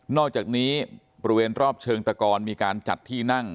อกจากนี้บริเวณรอบเชิงตะกรมีการจัดที่นั่ง